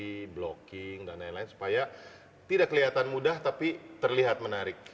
di blocking dan lain lain supaya tidak kelihatan mudah tapi terlihat menarik